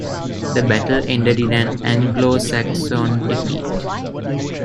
The battle ended in an Anglo-Saxon defeat.